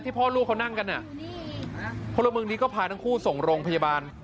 พ่อลูกเขานั่งกันเนี่ยพลเมืองดีก็พาทั้งคู่ส่งโรงพยาบาล